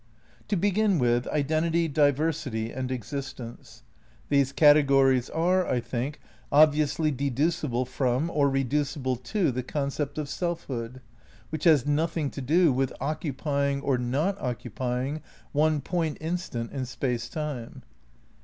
To begin with Identity, Diversity and Existence. These categories are, I think, obviously deducible from or reducible to the concept of selfhood, which has nothing to do with occupying or not occupying one point ipstant in Space Time.